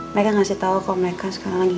mereka ngasih tau kok mereka sekarang lagi